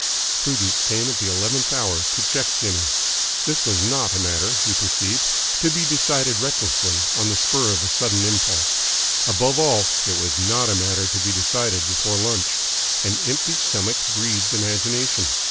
Prudence came at the eleventh hour to check Jimmy. This was not a matter, he perceived, to be decided recklessly, on the spur of a sudden impulse. Above all, it was not a matter to be decided before lunch. An empty stomach breeds imagination.